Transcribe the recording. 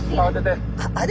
あれ！？